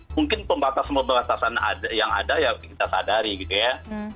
mungkin pembatasan pembatasan yang ada ya kita sadari gitu ya